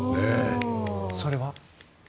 それは？